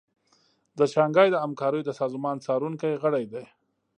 د شانګهای د همکاریو د سازمان څارونکی غړی دی